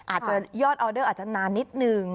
ยอดออเดอร์อาจจะนานนิดนึง